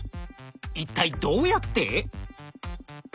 一体どうやって？